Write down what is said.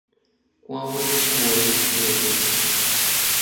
Kuauitl ueyi yetos.